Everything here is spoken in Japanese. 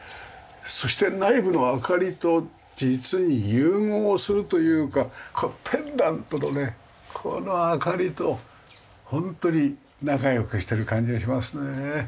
そして内部の明かりと実に融合するというかペンダントのねこの明かりとホントに仲良くしてる感じがしますね。